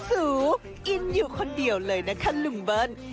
หูอินอยู่คนเดียวเลยนะคะลุงเบิ้ล